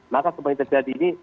maka seperti terjadi ini